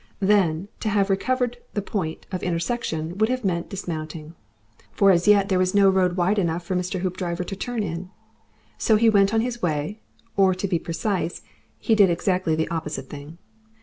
Then to have recovered the point of intersection would have meant dismounting. For as yet there was no road wide enough for Mr. Hoopdriver to turn in. So he went on his way or to be precise, he did exactly the opposite thing.